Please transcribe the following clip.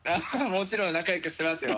もちろん仲良くしてますよ。